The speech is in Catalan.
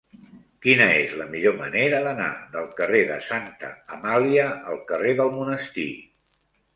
Quina és la millor manera d'anar del carrer de Santa Amàlia al carrer del Monestir?